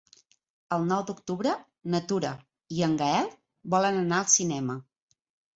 El nou d'octubre na Tura i en Gaël volen anar al cinema.